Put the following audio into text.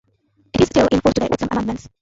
It is still in force today, with some amendments.